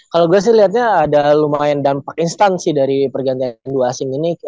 kalau gue sih liatnya ada lumayan dampak instan sih dari pergantian yang dua asing ini